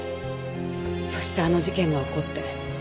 そしてあの事件が起こって。